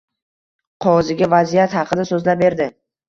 Qoziga vasiyat haqida soʻzlab berdi.